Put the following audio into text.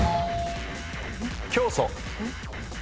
教祖。